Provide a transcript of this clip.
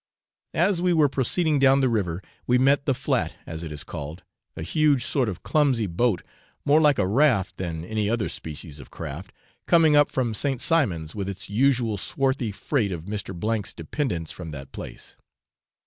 As we were proceeding down the river, we met the flat, as it is called, a huge sort of clumsy boat, more like a raft than any other species of craft, coming up from St. Simon's with its usual swarthy freight of Mr. 's dependants from that place.